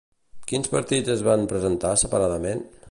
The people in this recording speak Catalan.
Quins partits es van presentar separadament?